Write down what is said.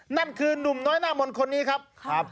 นั่นคือนุ่มน้อยหน้ามนต์คนนี้ครับ